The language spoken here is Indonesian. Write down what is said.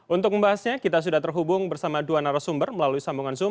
untuk membahasnya kita sudah terhubung bersama dua narasumber melalui sambungan zoom